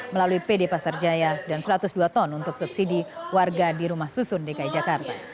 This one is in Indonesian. melalui pd pasar jaya dan satu ratus dua ton untuk subsidi warga di rumah susun dki jakarta